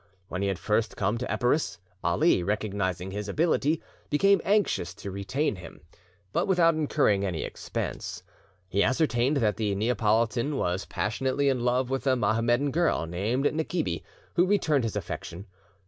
When he had first come to Epirus, Ali, recognising his ability, became anxious to retain him, but without incurring any expense. He ascertained that the Neapolitan was passionately in love with a Mohammedan girl named Nekibi, who returned his affection.